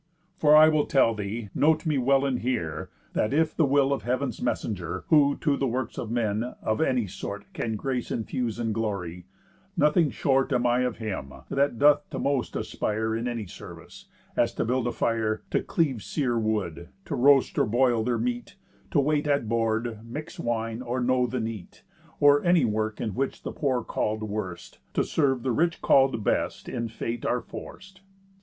For I will tell thee, note me well, and hear, That, if the will be of Heav'n's Messenger, (Who to the works of men, of any sort, Can grace infuse, and glory) nothing short Am I of him, that doth to most aspire In any service, as to build a fire, To cleave sere wood, to roast or boil their meat, To wait at board, mix wine, or know the neat, Or any work, in which the poor call'd worst To serve the rich call'd best in Fate are forc'd."